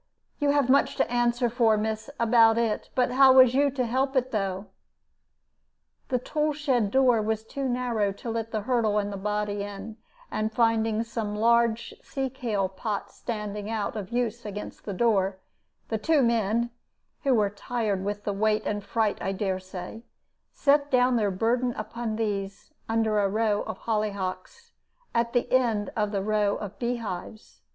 You have much to answer for, miss, about it; but how was you to help it, though? "The tool shed door was too narrow to let the hurdle and the body in, and finding some large sea kale pots standing out of use against the door, the two men (who were tired with the weight and fright, I dare say) set down their burden upon these, under a row of hollyhocks, at the end of the row of bee hives.